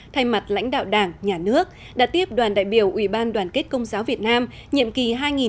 thay mặt lãnh đạo đảng nhà nước đã tiếp đoàn đại biểu ủy ban đoàn kết công giáo việt nam nhiệm kỳ hai nghìn một mươi năm hai nghìn hai mươi ba